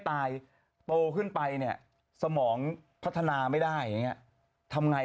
โตขึ้นไปเนี่ยสมองพัฒนาไม่ได้อย่างเงี้ย